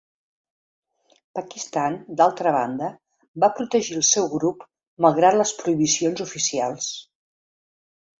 Pakistan, d'altra banda, va protegir el seu grup malgrat les prohibicions oficials.